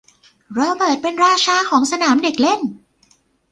โรเบิร์ตเป็นราชาของสนามเด็กเล่น